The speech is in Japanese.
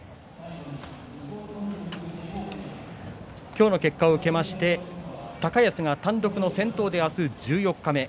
今日の結果を受けまして高安が単独の先頭、明日十四日目。